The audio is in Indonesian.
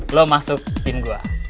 lo masuk tim gue